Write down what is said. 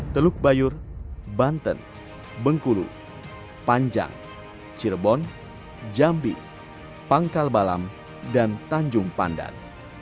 teluk bayur banten bengkulu panjang cirebon jambi pangkal balam dan tanjung pandan